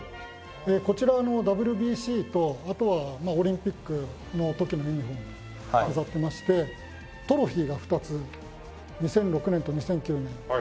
こちらはＷＢＣとあとはオリンピックの時のユニホームを飾ってましてトロフィーが２つ２００６年と２００９年。